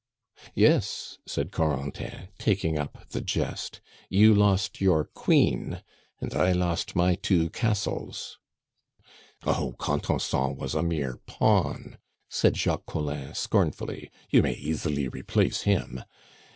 "Yes," said Corentin, taking up the jest, "you lost your queen, and I lost my two castles." "Oh! Contenson was a mere pawn," said Jacques Collin scornfully; "you may easily replace him.